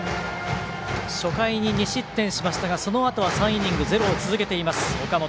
初回に２失点しましたがそのあとは３イニングゼロを続けています岡本。